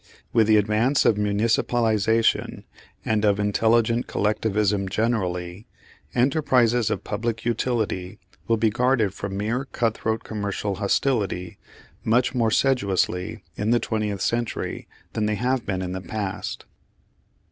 With the advance of municipalisation, and of intelligent collectivism generally, enterprises of public utility will be guarded from mere cut throat commercial hostility much more sedulously in the twentieth century than they have been in the past.